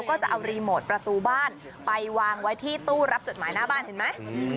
ก็จะเอารีโมทประตูบ้านไปวางไว้ที่ตู้รับจดหมายหน้าบ้านเห็นไหม